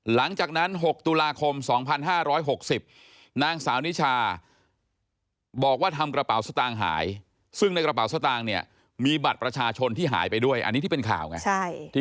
หลังจากนั้น๖ตุลาคม๒๕๖๐นางสาวนิชาบอกว่าทำกระเป๋าสตางค์หายซึ่งในกระเป๋าสตางค์เนี่ยมีบัตรประชาชนที่หายไปด้วยอันนี้ที่เป็นข่าวไง